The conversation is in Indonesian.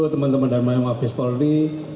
teman teman dari mabes polri